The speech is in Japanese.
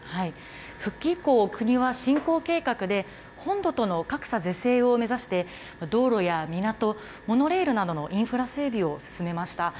復帰以降、国は振興計画で本土との格差是正を目指して、道路や港、モノレールなどのインフラ整備を進めました。